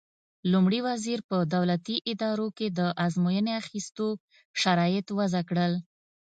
لومړي وزیر په دولتي ادارو کې د ازموینې اخیستو شرایط وضع کړل.